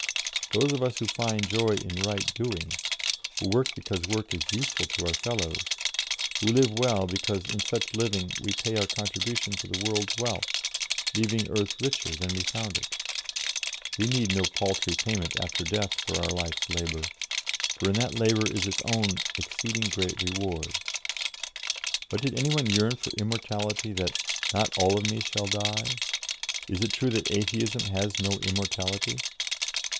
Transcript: Those of us who find joy in right doing, who work because work is useful to our fellows, who live well because in such living we pay our contribution to the world's wealth, leaving earth richer than we found it we need no paltry payment after death for our life's labour, for in that labour is its own 'exceeding great reward.'" But did any one yearn for immortality, that "not all of me shall die"? "Is it true that Atheism has no immortality?